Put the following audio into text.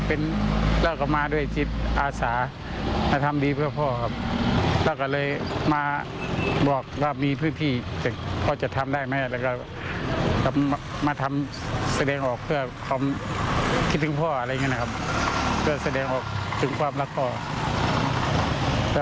เพื่อแสดงออกถึงความรักพอ